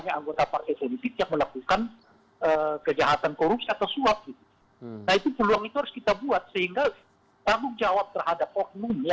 ya partai harus punya tanggung jawab terhadap ini